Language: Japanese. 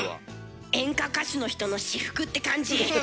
演歌歌手の人の私服って感じ。